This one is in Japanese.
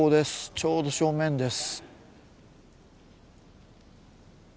ちょうど正面です。